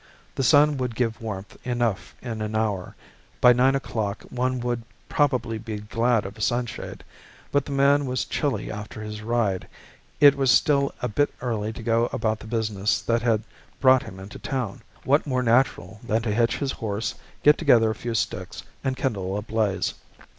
The sun would give warmth enough in an hour, by nine o'clock one would probably be glad of a sunshade; but the man was chilly after his ride; it was still a bit early to go about the business that had brought him into town: what more natural than to hitch his horse, get together a few sticks, and kindle a blaze?